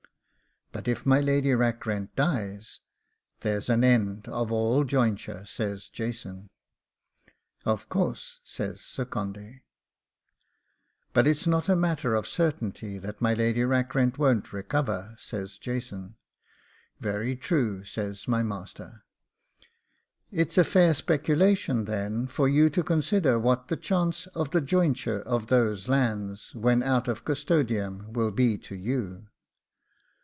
'But if my Lady Rackrent dies, there's an end of all jointure,' says Jason. 'Of course,' says Sir Condy. 'But it's not a matter of certainty that my Lady Rackrent won't recover,' says Jason. 'Very true, sir,' says my master. 'It's a fair speculation, then, for you to consider what the chance of the jointure of those lands, when out of custodiam, will be to you.